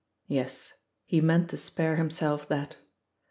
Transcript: Tes, he meant to spare himself that.